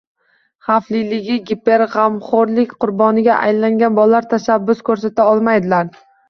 Xavfliligi: giperg‘amxo‘rlik qurboniga aylangan bolalar tashabbus ko‘rsata olmaydilar.